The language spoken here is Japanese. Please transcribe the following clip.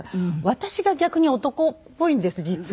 私が逆に男っぽいんです実は。